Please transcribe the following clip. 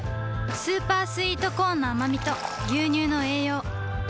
スーパースイートコーンのあまみと牛乳の栄養